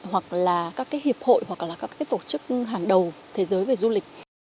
hoặc là các cái hiệp hội hoặc là các cái tổ chức hàng đầu thế giới về du lịch